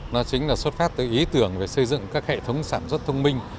nó chính là xuất phát từ ý tưởng về xây dựng các hệ thống sản xuất thông minh